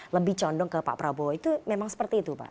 lebih condong ke pak prabowo itu memang seperti itu pak